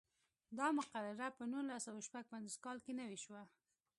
دا مقرره په نولس سوه شپږ پنځوس کال کې نوې شوه.